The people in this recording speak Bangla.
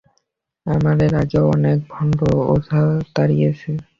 আমরা এর আগেও অনেক ভণ্ড ওঝা তাড়িয়েছি।